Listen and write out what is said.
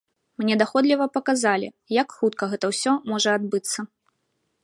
Мне даходліва паказалі, як хутка гэта ўсё можа адбыцца.